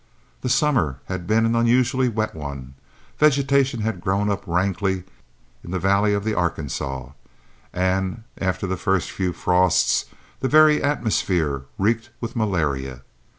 The summer had been an unusually wet one, vegetation had grown up rankly in the valley of the Arkansas, and after the first few frosts the very atmosphere reeked with malaria.